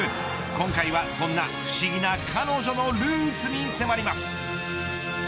今回は、そんな不思議な彼女のルーツに迫ります。